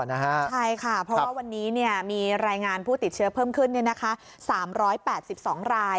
ใช่ค่ะเพราะว่าวันนี้มีรายงานผู้ติดเชื้อเพิ่มขึ้น๓๘๒ราย